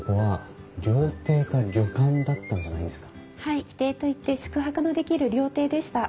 はい旗亭といって宿泊のできる料亭でした。